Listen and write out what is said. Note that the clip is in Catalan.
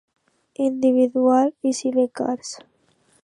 Individual i Sidecars.